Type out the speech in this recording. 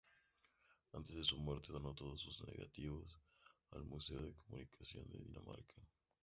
Antes de su muerte donó todos sus negativos al Museo de comunicación de Dinamarca.